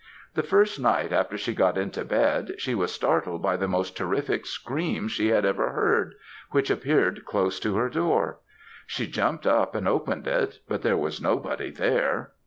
The first night, after she got into bed, she was startled by the most terrific screams she ever heard, which appeared close to her door. She jumped up and opened it, but there was nobody there.